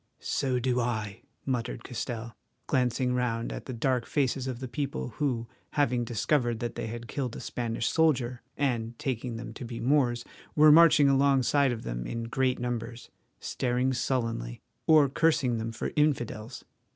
"So do I," muttered Castell, glancing round at the dark faces of the people, who, having discovered that they had killed a Spanish soldier, and taking them to be Moors, were marching alongside of them in great numbers, staring sullenly, or cursing them for infidels.